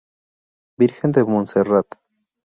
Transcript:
Virgen de Monserrat.